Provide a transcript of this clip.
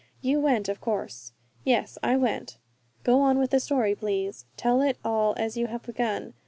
"You went, of course?" "Yes, I went." "Go on with the story, please. Tell it all as you have begun.